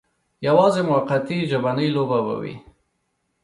یوازې موقتي ژبنۍ لوبه به وي.